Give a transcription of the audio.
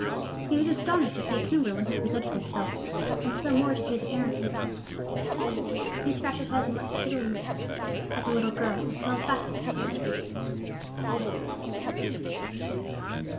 He was astonished to see Coomber when he presented himself, and still more to hear the errand he had come upon. He scratched his head, and looked pityingly at the little girl, who held fast to Coomber's hand.